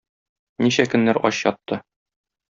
Ничә көннәр ач ятты.